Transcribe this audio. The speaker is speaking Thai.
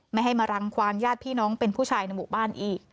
ไม่ให้มารังความญาติพี่น้องเป็นผู้ชายในหมู่บ้านอีก